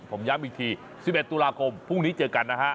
ผมย้ำอีกที๑๑ตุลาคมพรุ่งนี้เจอกันนะฮะ